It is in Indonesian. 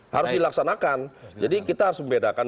harus dilaksanakan jadi kita harus membedakan